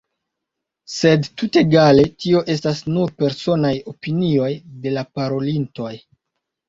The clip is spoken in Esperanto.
Sed tutegale tio estas nur personaj opinioj de la parolintoj.